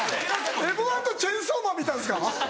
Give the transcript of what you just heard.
『Ｍ−１』と『チェンソーマン』見たんですか？